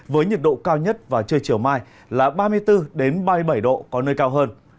với nhiệt độ cao nhất và trưa chiều mai là ba mươi bốn ba mươi bảy độ có nơi cao hơn